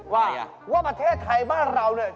ว่าประเทศไทยบ้านเราเนี่ย